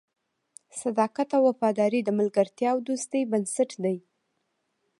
صداقت او وفاداري د ملګرتیا او دوستۍ بنسټ دی.